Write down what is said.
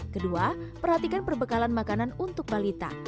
kedua perhatikan perbekalan makanan untuk balita